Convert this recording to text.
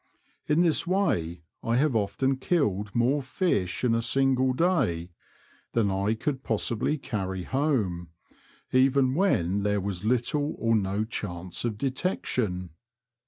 In this way I have often killed more fish in a single day than I could possibly carry home — even when there was little or no chance of detection.